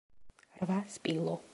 რვა სპილო.